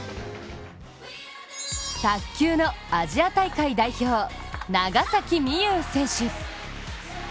卓球のアジア大会代表、長崎美柚選手。